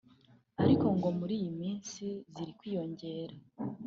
ariko ngo muri iyi minsi ziri kwiyongera